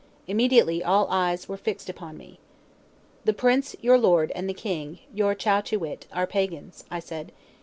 Immediately all eyes were fixed upon me. "The prince, your lord, and the king, your Chow che witt, are pagans," I said.